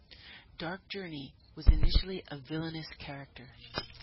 Dark Journey was initially a villainous character.